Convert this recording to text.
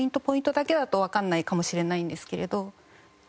ポイントだけだとわかんないかもしれないんですけれど。